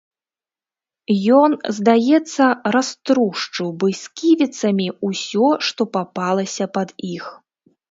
Ён, здаецца, раструшчыў бы сківіцамі ўсё, што папалася пад іх.